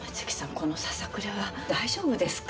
このささくれは大丈夫ですか？